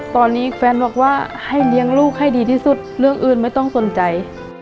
ตอนนี้แฟนบอกว่าให้เลี้ยงลูกให้ดีที่สุดเรื่องอื่นไม่ต้องสนใจ